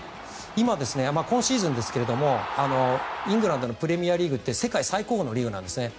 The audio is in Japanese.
今シーズンですがイングランドのプレミアリーグって世界最高峰のリーグなんですよね。